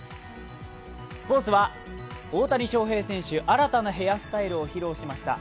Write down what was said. スポーツは大谷翔平選手、新たなヘアスタイルを披露しました。